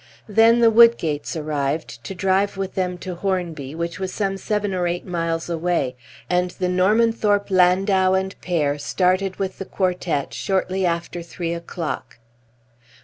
Then the Woodgates arrived, to drive with them to Hornby, which was some seven or eight miles away; and the Normanthorpe landau and pair started with, the quartette shortly after three o'clock.